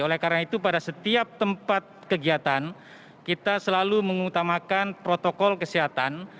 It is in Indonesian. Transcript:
oleh karena itu pada setiap tempat kegiatan kita selalu mengutamakan protokol kesehatan